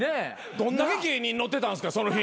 どんだけ芸人乗ってたんすかその日。